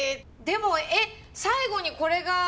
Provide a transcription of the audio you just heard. でもえっ最後にこれが。